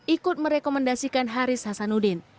ikut merekomendasikan haris sasanudin